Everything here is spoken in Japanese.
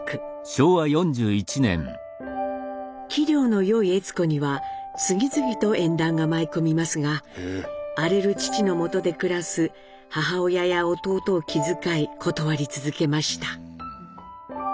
器量のよい悦子には次々と縁談が舞い込みますが荒れる父のもとで暮らす母親や弟を気遣い断り続けました。